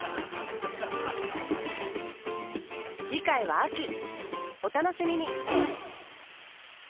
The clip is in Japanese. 次回は「秋」お楽しみに！